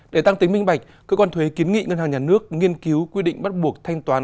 để tăng tính minh bạch cơ quan thuế kiến nghị ngân hàng nhà nước nghiên cứu quy định bắt buộc thanh toán